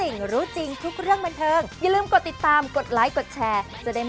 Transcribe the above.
น้องนัทบอกว่าถ้าไม่หยุด